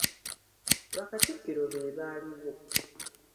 Bakatikkiro be baaliwo.